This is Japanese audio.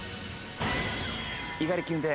猪狩キュンで。